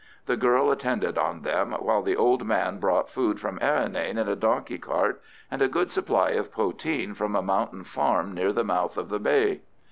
The girl attended on them, while the old man brought food from Errinane in a donkey cart, and a good supply of poteen from a mountain farm near the mouth of the bay.